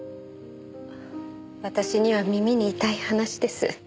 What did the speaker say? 私には耳に痛い話です。